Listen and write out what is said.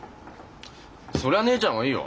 そりゃ姉ちゃんはいいよ。